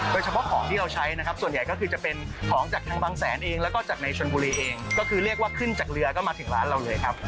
โดยเฉพาะของที่เราใช้นะครับส่วนใหญ่ก็คือจะเป็นของจากทางบางแสนเองแล้วก็จากในชนบุรีเองก็คือเรียกว่าขึ้นจากเรือก็มาถึงร้านเราเลยครับ